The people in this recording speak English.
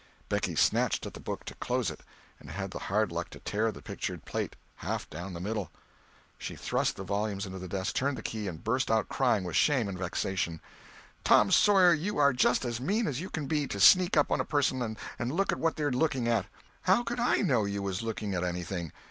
Becky snatched at the book to close it, and had the hard luck to tear the pictured page half down the middle. She thrust the volume into the desk, turned the key, and burst out crying with shame and vexation. "Tom Sawyer, you are just as mean as you can be, to sneak up on a person and look at what they're looking at." "How could I know you was looking at anything?"